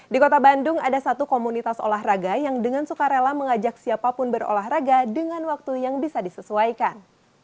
di kota bandung ada satu komunitas olahraga yang dengan suka rela mengajak siapapun berolahraga dengan waktu yang bisa disesuaikan